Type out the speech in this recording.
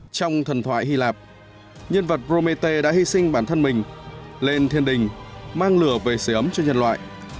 trong thần thoại hy lạp nhân vật promete đã hy sinh bản thân mình lên thiên đình mang lửa về xế ấm cho nhân loại